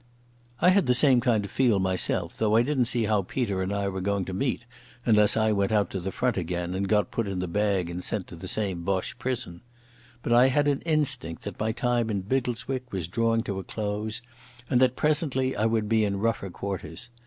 _" I had the same kind of feel myself, though I didn't see how Peter and I were going to meet, unless I went out to the Front again and got put in the bag and sent to the same Boche prison. But I had an instinct that my time in Biggleswick was drawing to a close, and that presently I would be in rougher quarters.